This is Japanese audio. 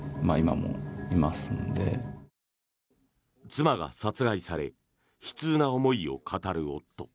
妻が殺害され悲痛な思いを語る夫。